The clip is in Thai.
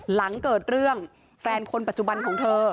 หลังเกิดเรื่องแฟนคนปัจจุบันของเธอ